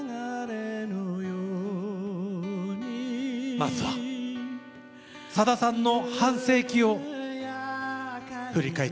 まずはさださんの半世紀を振り返ってみましょう。